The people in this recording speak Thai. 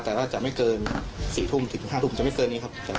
แต่อาจจะไม่เกิน๔๕ทุ่มจะไม่เกินนี่ครับ